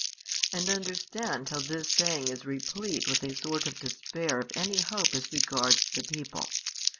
And understand how this saying is replete with a sort of despair of any hope as regards the people.